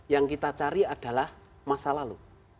yang kita cari adalah masa lalu